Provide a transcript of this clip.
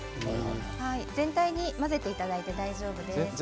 全体に混ぜていただいて大丈夫です。